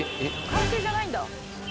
完成じゃないんだ。